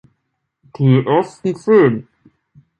Die ersten Zehn